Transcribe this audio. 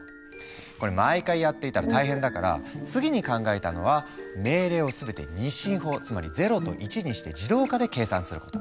これ毎回やっていたら大変だから次に考えたのは命令を全て２進法つまり０と１にして自動化で計算すること。